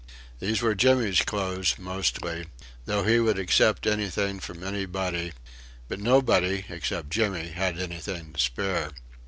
These were Jimmy's clothes mostly though he would accept anything from anybody; but nobody, except Jimmy, had anything to spare.